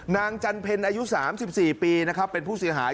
จันเพ็ญอายุ๓๔ปีนะครับเป็นผู้เสียหาย